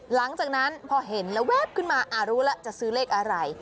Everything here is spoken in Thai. หลังจากนั้นพอเห็นแล้วแว๊บขึ้นมารู้แล้วจะซื้อเลขอะไร